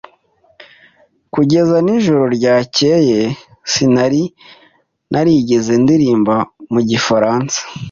Kugeza nijoro ryakeye, sinari narigeze ndirimba mu gifaransa.